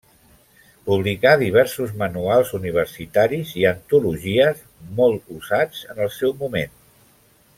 Publicà diversos manuals universitaris i antologies, molt usats en el seu moment.